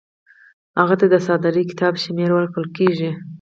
هغه ته د صادرې کتاب شمیره ورکول کیږي.